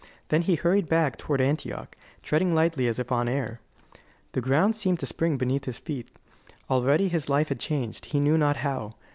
Then he hurried back toward Antioch, treading lightly as if on air. The ground seemed to spring beneath his feet. Already his life had changed, he knew not how.